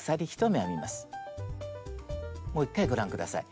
もう１回ご覧下さい。